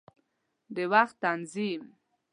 د وخت تنظیم